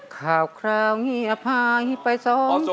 ข่าวข่าวเหงียวภายไปสองสองกี่